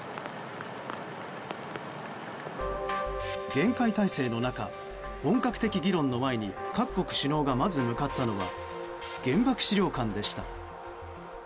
厳戒態勢の中、本格的議論の前に各国首脳がまず向かったのは原爆資料館でした。